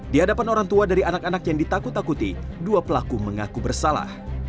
di hadapan orang tua dari anak anak yang ditakut takuti dua pelaku mengaku bersalah